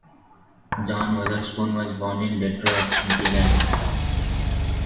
John Weatherspoon was born in Detroit, Michigan.